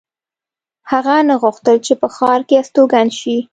هغه نه غوښتل چې په ښار کې استوګن شي